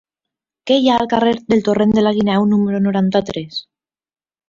Què hi ha al carrer del Torrent de la Guineu número noranta-tres?